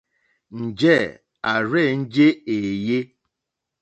Njɛ̂ à rzênjé èèyé.